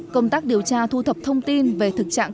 công tác điều tra thu thập thông tin về thực trạng